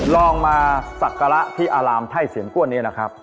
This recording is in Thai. ลองมาศักระที่อารามไทยเสียงก้วนนี้นะครับ